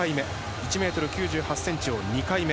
１ｍ９８ｃｍを２回目。